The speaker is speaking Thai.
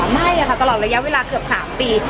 ไม่ค่ะตลอดระยะเวลาเกือบ๓ปี